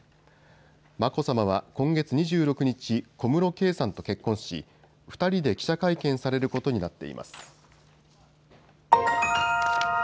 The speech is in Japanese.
眞子さまは今月２６日、小室圭さんと結婚し２人で記者会見されることになっています。